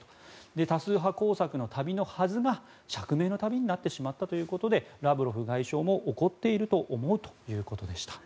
多数派工作の旅のはずが釈明の旅になってしまったということでラブロフ外相も怒っていると思うということです。